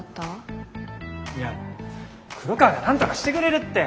いや黒川がなんとかしてくれるって。